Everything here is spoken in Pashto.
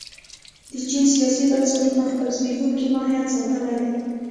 د چین سیاسي بنسټونو خپل زبېښونکی ماهیت ساتلی دی.